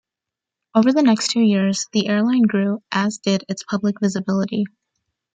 Over the next two years, the airline grew, as did its public visibility.